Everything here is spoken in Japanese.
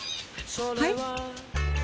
はい？